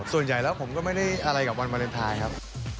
ส่วนใหญ่แล้วผมก็ไม่ได้อะไรกับวันวาเลนไทยครับ